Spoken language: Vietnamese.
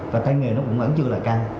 và tài nghề nó cũng vẫn chưa là càng